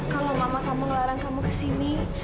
kalau mama kamu ngelarang kamu ke sini